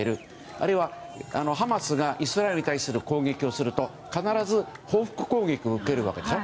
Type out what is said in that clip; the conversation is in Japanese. あるいはハマスがイスラエルに対する攻撃をすると必ず報復攻撃を受けるわけでしょ